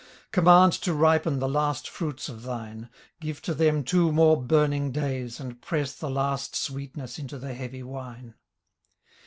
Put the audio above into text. Command to ripen the last fruits of thine. Give to them two more burning days and press The last sweetness into the heavy wine.